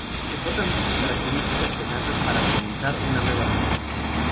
Se corta sus características trenzas para comenzar una nueva vida.